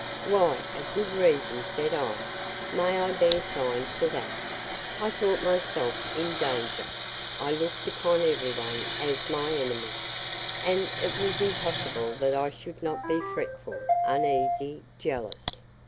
Why, a good reason, said I, may be assigned for that: I thought myself in danger: I looked upon every one as my enemy; and it was impossible that I should not be fretful, uneasy, jealous.